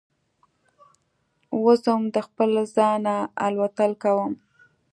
وزم د خپل ځانه الوتل کوم